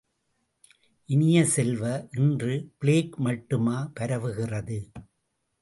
இனிய செல்வ, இன்று பிளேக் மட்டுமா பரவுகிறது?